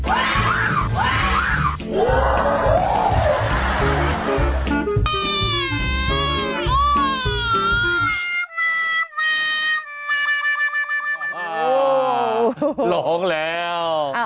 อ้าวหลองแล้ว